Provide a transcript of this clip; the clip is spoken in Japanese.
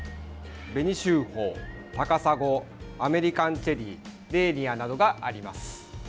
紅秀峰、高砂アメリカンチェリーレーニアなどがあります。